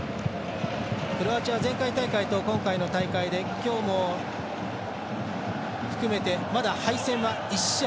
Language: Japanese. クロアチアは前回大会と今回の大会で今日も含めてまだ敗戦は１試合。